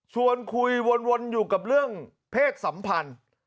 ชวนคุยวนอยู่กับเรื่องเพศสัมพันธ์